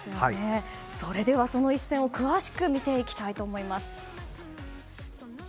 それではその一戦を詳しく見ていきたいと思います。